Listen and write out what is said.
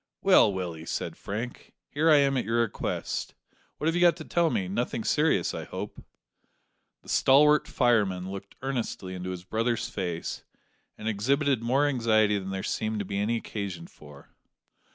"Well, Willie," said Frank, "here I am at your request. What have you got to tell me; nothing serious, I hope?" The stalwart fireman looked earnestly into his brother's face, and exhibited more anxiety than there seemed to be any occasion for.